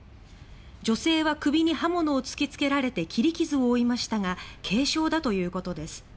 女性は首に刃物を突きつけられて切り傷を負いましたが軽傷だということです。